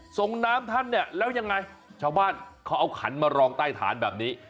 ส่งน้ำท่านเนี่ยแล้วยังไงชาวบ้านเขาเอาขันมารองใต้ฐานแบบนี้